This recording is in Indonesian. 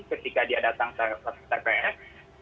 ketika dia datang ke tps